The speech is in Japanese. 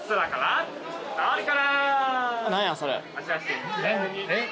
何やそれ。